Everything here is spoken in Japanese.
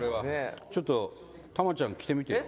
ちょっと、玉ちゃん着てみてよ。